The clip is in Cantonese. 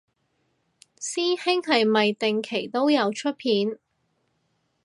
師兄係咪定期都有出片